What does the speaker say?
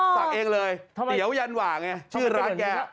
สั่งเองเลยเตี๋ยวยันหว่าไงชื่อร้านแก